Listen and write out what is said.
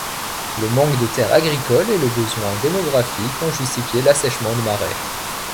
Le manque de terres agricoles et le besoin démographique ont justifié l'assèchement de marais.